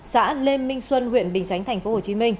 xã lê minh xuân huyện bình chánh thành